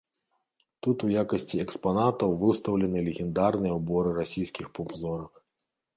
Тут у якасці экспанатаў выстаўлены легендарныя ўборы расійскіх поп-зорак.